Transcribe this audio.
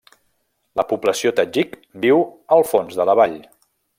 La població tadjik viu al fons de la vall.